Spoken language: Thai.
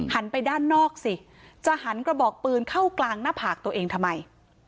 ไปด้านนอกสิจะหันกระบอกปืนเข้ากลางหน้าผากตัวเองทำไม